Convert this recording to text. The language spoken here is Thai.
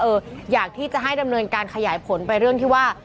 อยากที่จะให้ดำเนินการขยายผลไปเรื่องที่ว่า